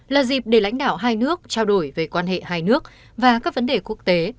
là dịp để lãnh đạo hai nước trao đổi về quan hệ hai nước và các vấn đề quốc tế